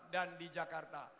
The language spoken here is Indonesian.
dan di jakarta